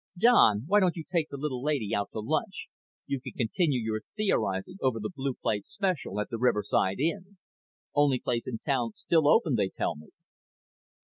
Don, why don't you take the little lady out to lunch? You can continue your theorizing over the blueplate special at the Riverside Inn. Only place in town still open, they tell me."